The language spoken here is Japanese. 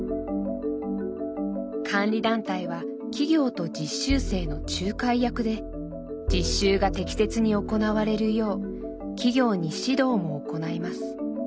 監理団体は企業と実習生の仲介役で実習が適切に行われるよう企業に指導も行います。